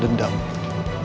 tapi sekarang saya sadar